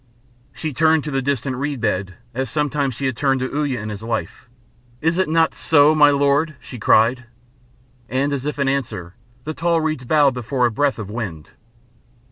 She turned to the distant reed bed, as sometimes she had turned to Uya in his life. "Is it not so, my lord?" she cried. And, as if in answer, the tall reeds bowed before a breath of wind.